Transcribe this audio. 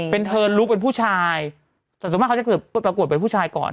เป็นเทิร์นลุกเป็นผู้ชายส่วนมากเขาจะเกิดประกวดเป็นผู้ชายก่อน